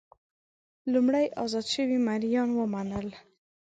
لومړی ازاد شوي مریان ومنل.